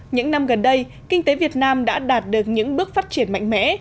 những năm gần đây kinh tế việt nam đã đạt được những bước phát triển mạnh mẽ